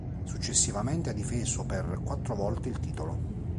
Successivamente ha difeso per quattro volte il titolo.